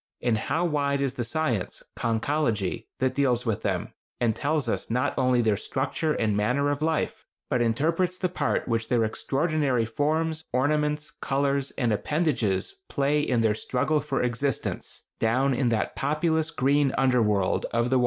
And how wide is the science (conchology) that deals with them, and tells us not only their structure and manner of life, but interprets the part which their extraordinary forms, ornaments, colors, and appendages play in their "struggle for existence" down in that populous green under world of the waters!